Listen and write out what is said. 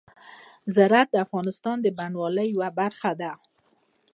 زراعت د افغانستان د بڼوالۍ یوه برخه ده.